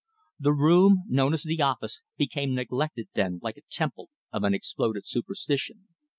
The room known as the office became neglected then like a temple of an exploded superstition.